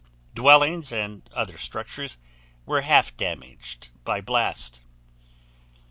Dwellings and other structures were half damaged by blast.